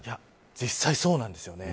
実際そうなんですよね。